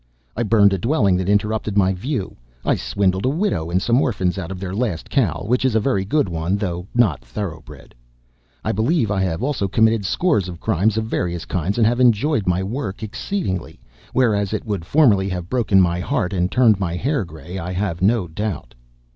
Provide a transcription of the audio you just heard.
I burned a dwelling that interrupted my view. I swindled a widow and some orphans out of their last cow, which is a very good one, though not thoroughbred, I believe. I have also committed scores of crimes, of various kinds, and have enjoyed my work exceedingly, whereas it would formerly have broken my heart and turned my hair gray, I have no doubt.